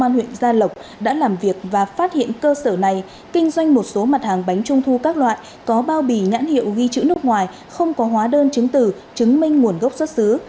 công an huyện gia lộc đã làm việc và phát hiện cơ sở này kinh doanh một số mặt hàng bánh trung thu các loại có bao bì nhãn hiệu ghi chữ nước ngoài không có hóa đơn chứng từ chứng minh nguồn gốc xuất xứ